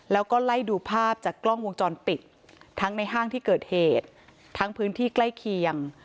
แล้วก็ไล่ดูภาพจากกล้องวงจรปิดทั้งในห้างที่เกิดเหตุทั้งพื้นที่ใกล้เคียง